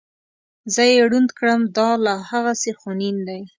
زه یې ړوند کړم دا لا هغسې خونین دی.